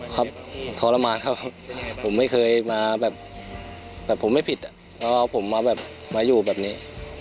ครับทรมานครับผมไม่เคยมาแบบแบบผมไม่ผิดแล้วเอาผมมาอยู่แบบนี้